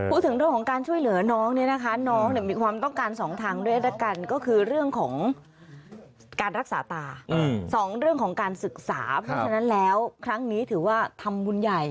พูดถึงเรื่องของการช่วยเหลือน้องเนี่ยนะคะน้องเนี่ยมีความต้องการสองทางด้วยแล้วกันก็คือเรื่องของการรักษาตาสองเรื่องของการศึกษาเพราะฉะนั้นแล้วครั้งนี้ถือว่าทำบุญใหญ่